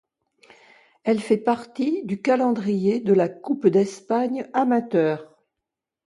Elle fait partie du calendrier de la Coupe d'Espagne amateurs.